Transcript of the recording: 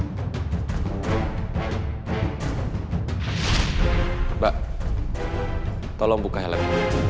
mbak tolong buka helm